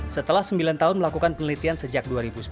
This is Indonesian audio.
setelah sembilan tahun melakukan penelitian sejak dua ribu sepuluh